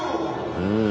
うん。